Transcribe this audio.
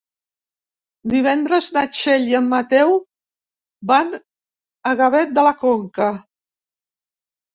Divendres na Txell i en Mateu van a Gavet de la Conca.